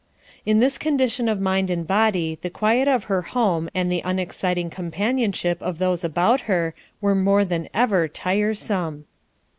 In this condition of mind and body the quiet of her home and the unexciting companionship of those about her were more than ever tiresome.